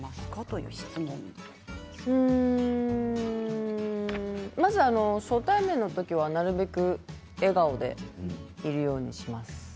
うーんまず初対面の時はなるべく笑顔でいるようにします。